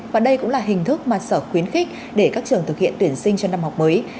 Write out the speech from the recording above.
và đây cũng là hình thức mà sở khuyến khích để các trường thực hiện tuyển sinh cho năm học mới